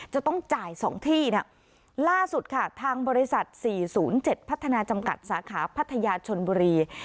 จะต้องจ่ายสองที่น่ะล่าสุดค่ะทางบริษัทสี่ศูนย์เจ็ดพัฒนาจำกัดสาขาพัทยาชนบุรี